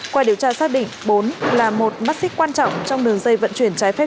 qua điều tra xác định bốn là một mắt xích quan trọng trong đường dây vận chuyển trái phép